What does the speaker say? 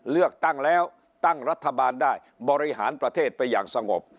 เลือกตั้งแล้วตั้งรัฐบาลได้บริหารประเทศไปอย่างสงบ